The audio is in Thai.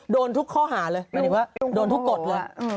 โดนทุกข้อหาเลยหมายถึงว่าโดนทุกกฎเลย